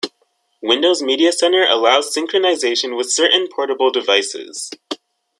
Windows Media Center allows synchronization with certain portable devices.